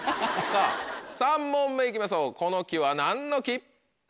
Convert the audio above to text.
さぁ３問目行きましょうこの「き」は何の「き」？